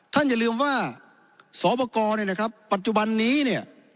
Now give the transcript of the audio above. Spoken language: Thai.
ท่านอย่าลืมว่าสวปกรณ์เนี่ยครับปัจจุบันนี้เนี่ย